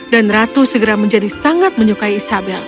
dan ratu segera menjadi sangat menyukai isabel